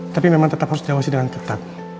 tapi memang tetap harus diawasi dengan ketat